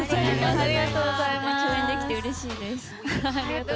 共演できてうれしいです。